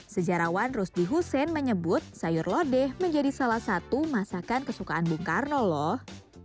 sejarawan rusdi hussein menyebut sayur lodeh menjadi salah satu masakan kesukaan bung karno loh